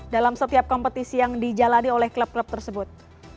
dalam setiap kompetisi yang dijalani oleh klub klub tersebut